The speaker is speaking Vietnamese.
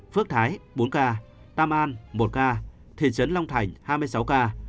phước thái bốn ca tam an một ca thị trấn long thành hai mươi sáu ca